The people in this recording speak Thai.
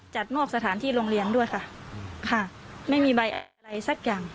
จัดมอบสถานที่โรงเรียนด้วยค่ะค่ะไม่มีใบอะไรสักอย่าง